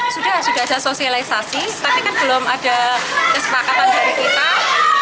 sudah sudah ada sosialisasi tapi kan belum ada kesepakatan dari kita